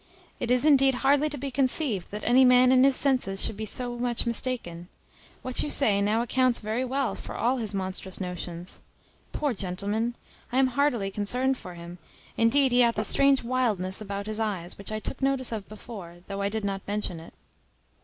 It is indeed hardly to be conceived that any man in his senses should be so much mistaken; what you say now accounts very well for all his monstrous notions. Poor gentleman! I am heartily concerned for him; indeed he hath a strange wildness about his eyes, which I took notice of before, though I did not mention it."